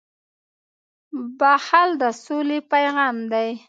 • بښل د سولې پیغام دی.